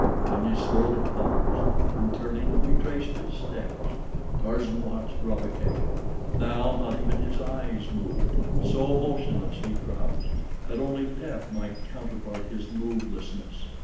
Upon his throat it paused, and turning, retraced its steps. Tarzan watched Rabba Kega. Now not even his eyes moved. So motionless he crouched that only death might counterpart his movelessness.